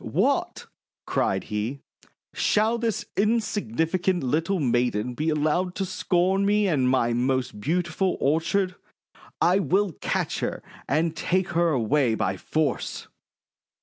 "What!' cried he, "shall this insignificant little maiden be allowed to scorn me and my most beautiful orchard! I will catch her and take her away by force!'